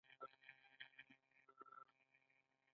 د ماشوم د ګیډې درد لپاره د څه شي اوبه وکاروم؟